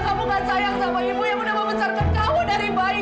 kamu kan sayang sama ibu yang udah membesarkan kamu dari bayi